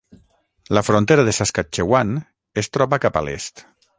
La frontera de Saskatchewan es troba cap a l'est.